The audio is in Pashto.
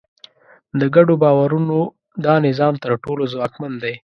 د ګډو باورونو دا نظام تر ټولو ځواکمن دی.